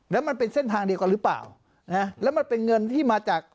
แล้วมันเป็นเส้นทางเดียวกันหรือเปล่านะฮะแล้วมันเป็นเงินที่มาจาก